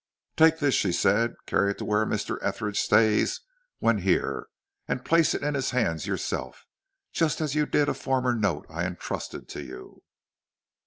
"Take this," she said; "carry it to where Mr. Etheridge stays when here, and place it in his hands yourself, just as you did a former note I entrusted to you."